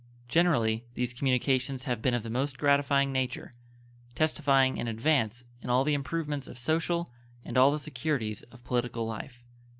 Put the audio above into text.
Generally these communications have been of the most gratifying nature, testifying an advance in all the improvements of social and all the securities of political life.